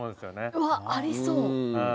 うわっありそう。